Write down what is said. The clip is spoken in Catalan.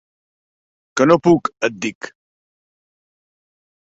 Que no puc, et dic.